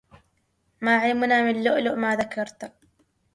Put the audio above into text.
ما علمنا من لؤلؤ ما ذكرتا